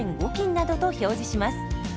斤などと表示します。